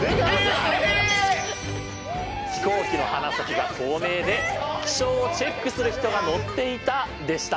飛行機の鼻先が透明で気象をチェックする人が乗っていたでした。